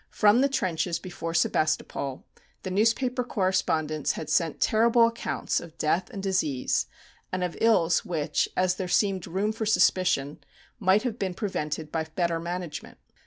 From the trenches before Sebastopol the newspaper correspondents had sent terrible accounts of death and disease, and of ills which, as there seemed room for suspicion, might have been prevented by better management.